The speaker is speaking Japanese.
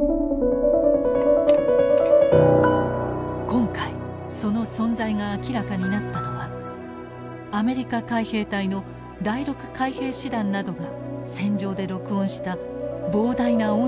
今回その存在が明らかになったのはアメリカ海兵隊の第６海兵師団などが戦場で録音した膨大な音声である。